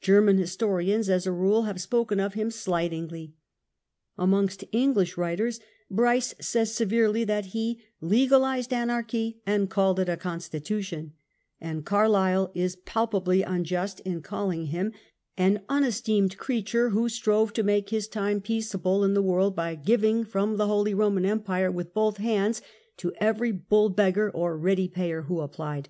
Ger man historians as a rule have spoken of him slightingly. Amongst Enghsh writers Bryce says severely that he "legalised anarchy and called it a constitution "; and Carlyle is palpably unjust in calling him " an un GERMANY AND THE EMPIRE, 1273 1378 21 esteemed creature, who strove to make his time peace able in the world by giving from the Holy Roman Empire with both hands to every bull beggar or ready payer who applied